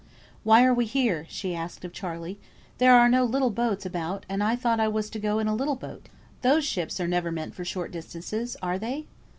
"Why are we here?" asked she of Charley. "There are no little boats about, and I thought I was to go in a little boat; those ships are never meant for short distances, are they?"